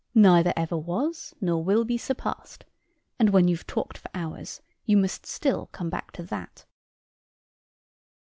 Neither ever was, or will be surpassed; and when you've talked for hours, you must still come back to that."